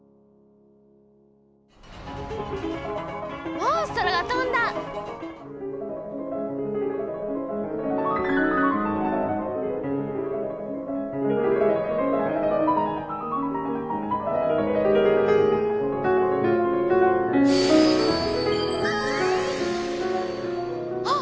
モンストロが飛んだ！あっ！